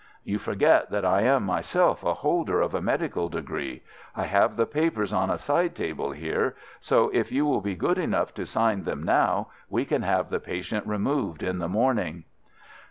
"You forget that I am myself a holder of a medical degree. I have the papers on a side table here, so if you will be good enough to sign them now, we can have the patient removed in the morning."